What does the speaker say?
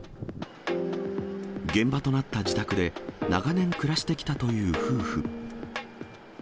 現場となった自宅で、長年暮らしてきたという夫婦。